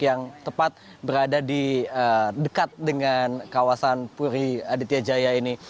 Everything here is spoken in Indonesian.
yang tepat berada di dekat dengan kawasan puri aditya jaya ini